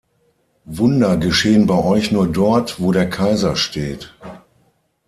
Wunder geschehen bei Euch nur dort, wo der Kaiser steht.